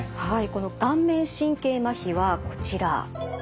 この顔面神経まひはこちら。